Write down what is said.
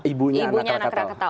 ibunya anak krakatau